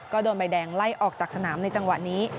ก็โดนใบแดงไล่ออกจากสนามในจังหวะนี้